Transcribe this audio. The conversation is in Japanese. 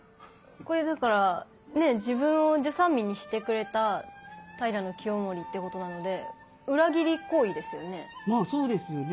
これだからねえ自分を従三位にしてくれた平清盛ってことなのでまあそうですよね。